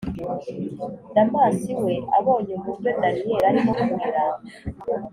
damas we abonye uburyo daniel arimo kurira